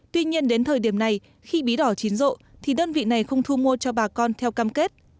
tuy nhiên đến thời điểm này khi bí đỏ chín rộ thì đơn vị này không thu mua cho bà con theo cam kết